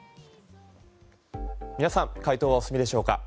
皆さん解答はお済みでしょうか？